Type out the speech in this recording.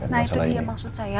nah itu dia maksud saya